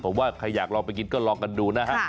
ผมว่าใครอยากลองไปกินก็ลองกันดูนะฮะ